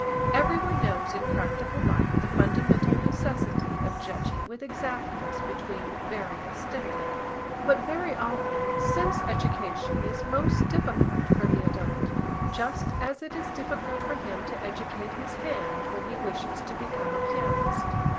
Everyone knows in practical life the fundamental necessity of judging with exactness between various stimuli. But very often sense education is most difficult for the adult, just as it is difficult for him to educate his hand when he wishes to become a pianist.